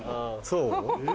そう？